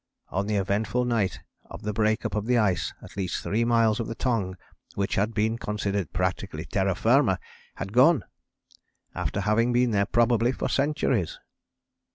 On the eventful night of the break up of the ice at least three miles of the Tongue which had been considered practically terra firma had gone, after having been there probably for centuries.